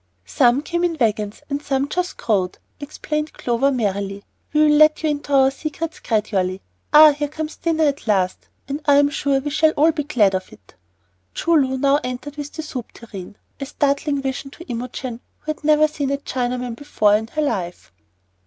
"Some came in wagons, and some just 'growed,'" explained Clover, merrily. "We will let you into our secrets gradually. Ah, here comes dinner at last, and I am sure we shall all be glad of it." Choo Loo now entered with the soup tureen, a startling vision to Imogen, who had never seen a Chinaman before in her life.